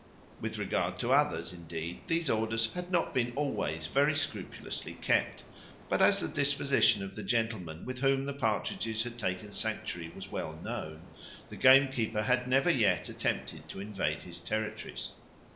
With regard to others, indeed, these orders had not been always very scrupulously kept; but as the disposition of the gentleman with whom the partridges had taken sanctuary was well known, the gamekeeper had never yet attempted to invade his territories.